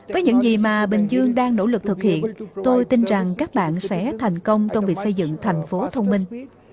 với những gì mà bình dương đang nỗ lực thực hiện tôi tin rằng các bạn sẽ thành công trong việc xây dựng thành phố thông minh